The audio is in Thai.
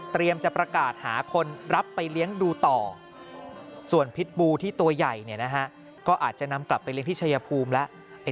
จะประกาศหาคนรับไปเลี้ยงดูต่อส่วนพิษบูที่ตัวใหญ่เนี่ยนะฮะก็อาจจะนำกลับไปเลี้ยที่ชายภูมิแล้ว